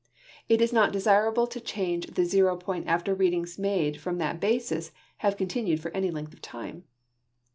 It is not desirable to change the zero point after readings made from that basis have continued for any length of time.